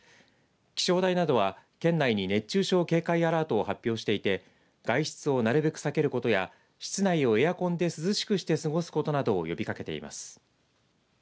気象台などは県内に熱中症警戒アラートを発表していて外出をなるべく避けることや室内をエアコンで涼しくして過ごすことなどを呼びかけています。